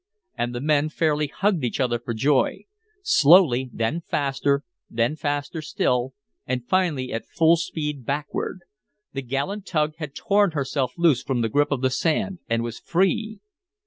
And the men fairly hugged each other for joy. Slowly, then faster, then faster still, and finally at full speed backward. The gallant tug had torn herself loose from the grip of the sand and was free!